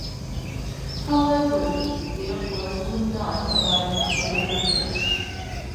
However, these forces would not arrive before the British.